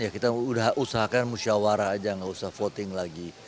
kita sudah usahakan musyawarah saja tidak usah voting lagi